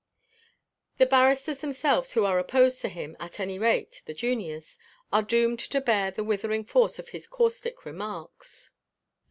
The barristers themselves who are opposed to him, at any rate, the juniors, are doomed to bear the withering force of his caustic remarks.